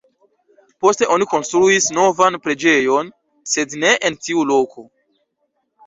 Poste oni konstruis novan preĝejon, sed ne en tiu loko.